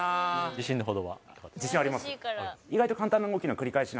自信あります。